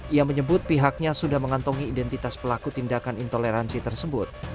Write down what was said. ia menyebut pihaknya sudah mengantongi identitas pelaku tindakan intoleransi tersebut